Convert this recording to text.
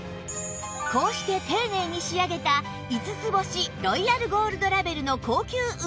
こうして丁寧に仕上げた５つ星ロイヤルゴールドラベルの高級羽毛布団